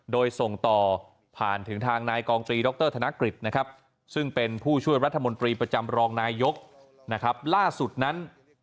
โดยส่งต่อผ่านถึงทางนายกองตรีดรธนกฤษนะครับซึ่งเป็นผู้ช่วยรัฐมนตรีประจำรองนายกนะครับล่าสุดนั้น